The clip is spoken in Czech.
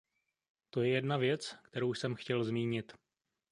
To je jedna věc, kterou jsem chtěl zmínit.